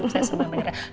saya sama mereka